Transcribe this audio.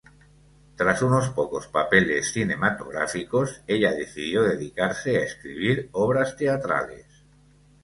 Tras unos pocos papeles cinematográficos, ella decidió dedicarse a escribir obras teatrales.